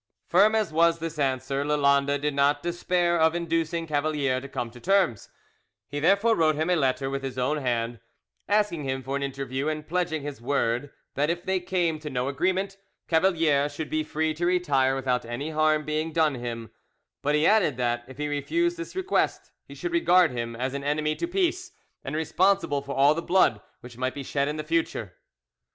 Firm as was this answer, Lalande did not despair of inducing Cavalier to come to terms: he therefore wrote him a letter with his own hand, asking him for an interview, and pledging his word that if they came to no agreement Cavalier should be free to retire without any harm being done him; but he added that, if he refused this request, he should regard him as an enemy to peace, and responsible for all the blood which might be shed in future.